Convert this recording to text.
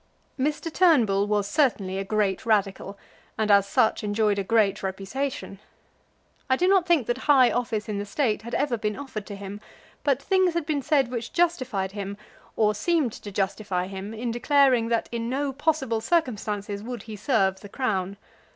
Mr. Turnbull was certainly a great Radical, and as such enjoyed a great reputation. I do not think that high office in the State had ever been offered to him; but things had been said which justified him, or seemed to himself to justify him, in declaring that in no possible circumstances would he serve the Crown.